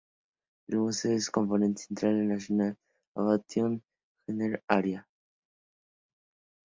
El museo es un componente central del National Aviation Heritage Area.